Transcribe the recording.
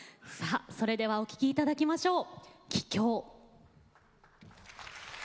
それではお聴きいただきましょう。